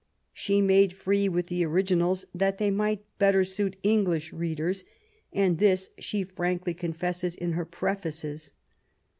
'' She made free with the originals that they might better suit English readers, and this she frankly confesses in her prefaces.